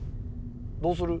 どうする？